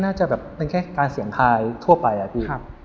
ก็น่าจะเป็นแค่การเสียงกายทั่วไป